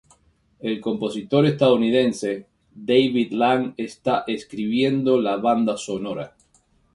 El compositor estadounidense David Lang está escribiendo la banda sonora.